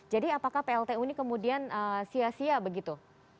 jadi apakah pltu ini kemudian sia sia begitu